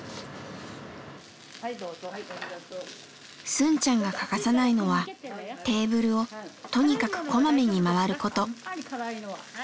スンちゃんが欠かさないのはテーブルをとにかくこまめにまわること。